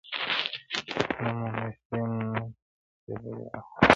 • نه مو نسیم ته نڅېدلی ارغوان ولیدی -